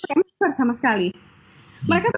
pengen besar sama sekali mereka itu